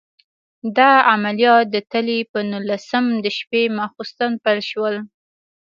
دا عملیات د تلې په نولسم د شپې ماخوستن پیل شول.